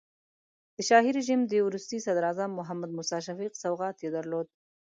د شاهي رژیم د وروستي صدراعظم محمد موسی شفیق سوغات یې درلود.